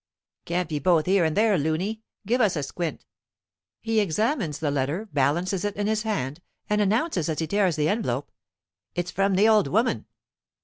"Can't be both here and there, looney. Give us a squint." He examines the letter, balances it in his hand, and announces as he tears the envelope, "It's from the old woman."